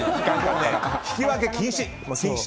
引き分け禁止！